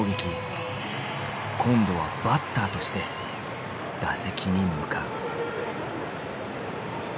今度はバッターとして打席に向かう。